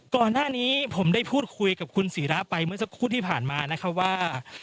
ก่อนหน้านี้ผมได้พูดคุยกับคุณศิราไปเมื่อสักครู่ที่ผ่านมานะครับว่า